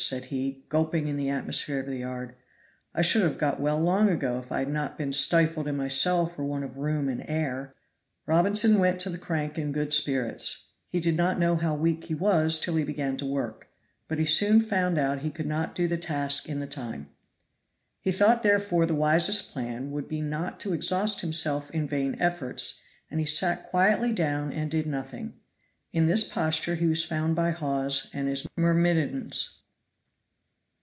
said he, gulping in the atmosphere of the yard. "I should have got well long ago if I had not been stifled in my cell for want of room and air." Robinson went to the crank in good spirits; he did not know how weak he was till he began to work; but he soon found out he could not do the task in the time. He thought therefore the wisest plan would be not to exhaust himself in vain efforts, and he sat quietly down and did nothing. In this posture he was found by Hawes and his myrmidons.